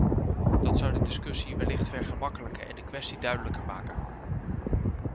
Dat zou de discussie wellicht vergemakkelijken en de kwestie duidelijker maken.